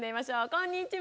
こんにちは！